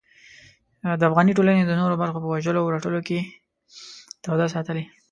د افغاني ټولنې د نورو برخو په وژلو او رټلو کې توده ساتلې.